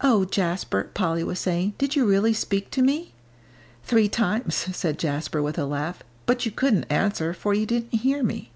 "Oh, Jasper," Polly was saying, "did you really speak to me?" "Three times," said Jasper, with a laugh, "but you couldn't answer, for you didn't hear me."